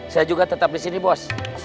saya juga tetap disini bos